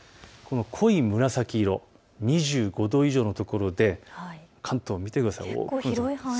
濃い紫色、２５度以上のところで関東を見てください。